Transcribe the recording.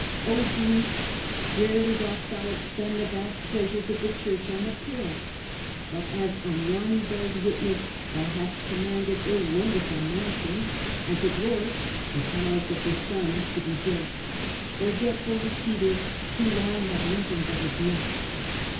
O grief ! rarely dost thou expend the vast treasures of the Church on the poor ! But, as Anagni bears witness, thou hast commanded a wonderful mansion, as it were the Palace of the Sun, to be built, forgetful of Peter who long had nothing but his net.